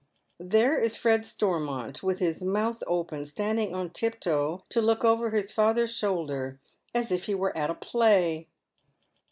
There is Fred Stormont, with his mouth open, standing on tiptoe to look over his father's shoulder, as if he wera at a play.